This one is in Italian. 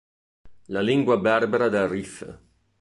La lingua berbera del Rif